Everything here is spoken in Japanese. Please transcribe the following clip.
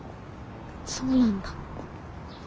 そうなんだ。